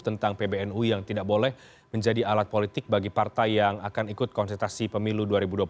tentang pbnu yang tidak boleh menjadi alat politik bagi partai yang akan ikut konsentrasi pemilu dua ribu dua puluh